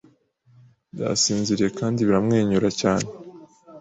byasinziriye kandi biramwenyura cyane